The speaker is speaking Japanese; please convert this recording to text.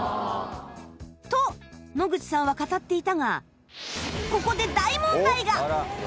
と野口さんは語っていたがここで大問題が！